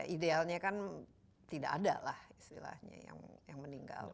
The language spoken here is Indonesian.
idealnya kan tidak ada lah istilahnya yang meninggal